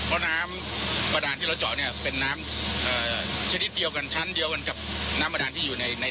เพราะน้ำบาดานที่เราเจาะเนี่ยเป็นน้ำชนิดเดียวกันชั้นเดียวกันกับน้ำบาดานที่อยู่ใน